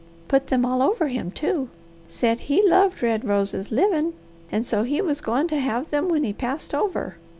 Put them all over him, too! Said he loved red roses livin' and so he was goin' to have them when he passed over.